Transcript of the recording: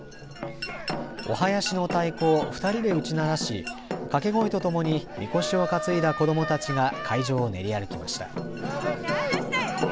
お囃子の太鼓を２人で打ち鳴らし、掛け声とともにみこしを担いだ子どもたちが会場を練り歩きました。